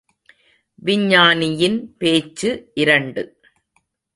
விஞ்ஞானியின் பேச்சு இரண்டு.